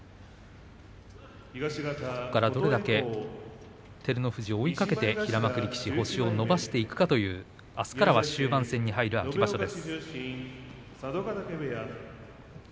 ここからどれだけ照ノ富士を追いかけて星を伸ばしていくかというあすからは終盤戦に入る秋場所です。